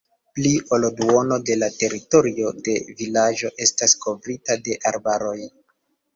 Pli ol duono de la teritorio de vilaĝo estas kovrita de arbaroj.